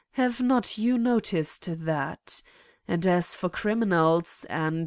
Have not you noticed that? And as for criminals, and.